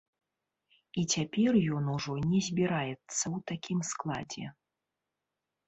І цяпер ён ужо не збіраецца ў такім складзе.